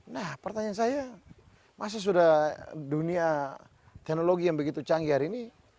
nah pertanyaan saya masih sudah dunia teknologi yang begitu canggih hari ini